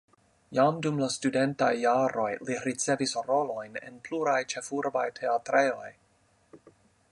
Jam dum la studentaj jaroj li ricevis rolojn en pluraj ĉefurbaj teatrejoj.